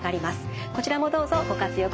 こちらもどうぞご活用ください。